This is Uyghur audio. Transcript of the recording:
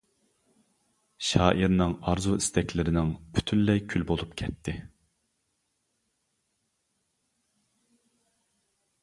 شائىرنىڭ ئارزۇ ئىستەكلىرىنىڭ پۈتۈنلەي كۈل بولۇپ كەتتى.